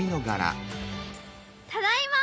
ただいま。